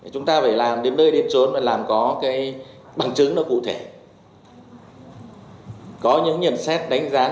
chúng ta phải làm đến nơi đến trốn và làm có cái bằng chứng nó cụ thể có những nhận xét đánh giá